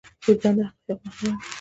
وجدان د حقايقو محکمه ده.